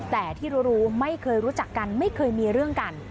แต่ที่รู้ไม่เคยรู้จักกันไม่เคยมีเรื่องกัน